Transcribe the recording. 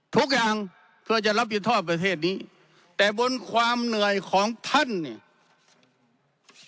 ทุกอย่างเพื่อจะรับผิดชอบประเทศนี้แต่บนความเหนื่อยของท่านเนี่ย